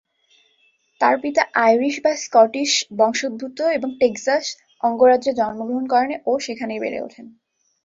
তার পিতা আইরিশ বা স্কটিশ বংশোদ্ভূত এবং টেক্সাস অঙ্গরাজ্যে জন্মগ্রহণ করেন ও সেখানেই বেড়ে ওঠেন।